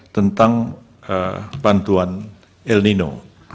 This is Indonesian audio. tentang bantuan el nino